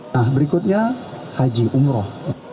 nah berikutnya haji umroh